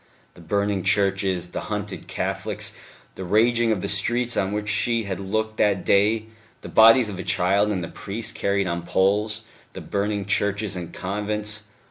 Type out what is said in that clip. The burning churches, the hunted Catholics, the raging of the streets on which she had looked that day, the bodies of the child and the priest carried on poles, the burning churches and convents.